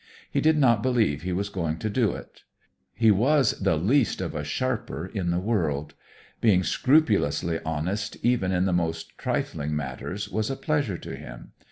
He did not believe he was going to do it. He was the least of a sharper in the world. Being scrupulously honest even in the most trifling matters was a pleasure to him.